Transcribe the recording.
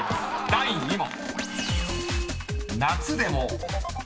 第２問］